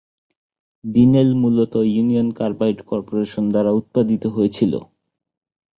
ডিনেল মূলত Union Carbide Corporation দ্বারা উত্পাদিত হয়েছিল।